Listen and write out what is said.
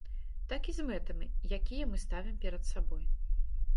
Так і з мэтамі, якія мы ставім перад сабой.